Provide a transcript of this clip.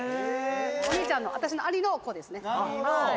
「お兄ちゃんの私の兄の子ですね」